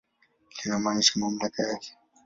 Linamaanisha mamlaka yake.